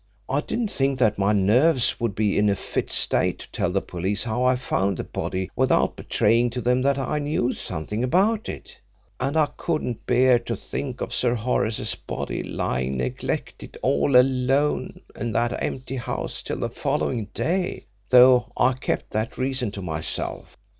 I didn't think that my nerves would be in a fit state to tell the police how I found the body without betraying to them that I knew something about it; and I couldn't bear to think of Sir Horace's body lying neglected all alone in that empty house till the following day though I kept that reason to myself.